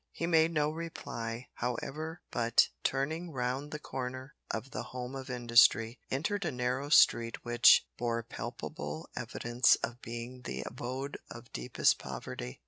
He made no reply, however, but, turning round the corner of the Home of Industry, entered a narrow street which bore palpable evidence of being the abode of deepest poverty.